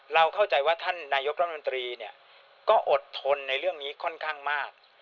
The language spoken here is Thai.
เราเข้าใจว่าท่านนายกรัฐมนตรีเนี่ยก็อดทนในเรื่องนี้ค่อนข้างมาก